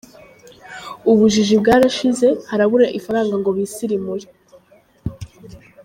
Ubujiji bwarashize, harabura ifaranga ngo bisirimure.